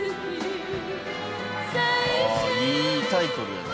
ああいいタイトルやな。